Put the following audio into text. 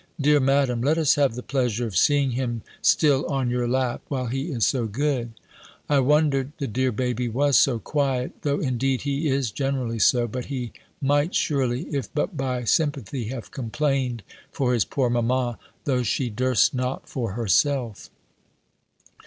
Dear Madam, let us have the pleasure of seeing him still on your lap, while he is so good." I wondered the dear baby was so quiet; though, indeed, he is generally so: but he might surely, if but by sympathy, have complained for his poor mamma, though she durst not for herself.